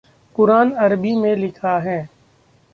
क़ुरान अरबी में लिखा है।